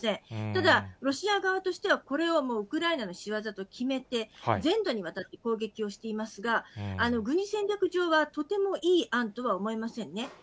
ただ、ロシア側としては、これをウクライナのしわざと決めて、全土にわたって攻撃をしていますが、軍事戦略上はとてもいい案とは思えませんね。